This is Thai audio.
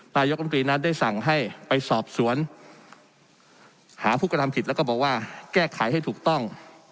นายกรมตรีนั้นได้สั่งให้ไปสอบสวนหาผู้กระทำผิดแล้วก็บอกว่าแก้ไขให้ถูกต้อง